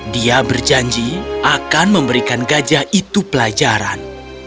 dia berjanji akan memberikan gajah itu pelajaran